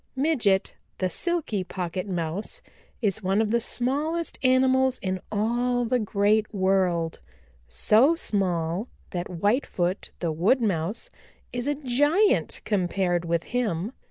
"Midget the Silky Pocket Mouse is one of the smallest animals in all the Great World, so small that Whitefoot the Wood Mouse is a giant compared with him.